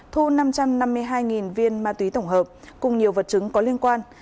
thu năm trăm năm mươi hai viên ma túy tổng hợp cùng nhiều vật chứng có liên quan